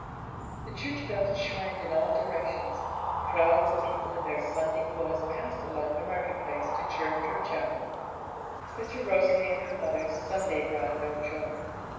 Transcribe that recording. The church bells chimed in all directions, crowds of people in their Sunday clothes passed along the market place to church or chapel; but to Rosalie and her mother Sunday brought no joy.